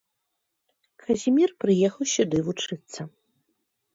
Казімір прыехаў сюды вучыцца.